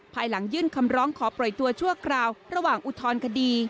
ภายหลังยื่นคำร้องขอปล่อยตัวชั่วคราวระหว่างอุทธรณคดี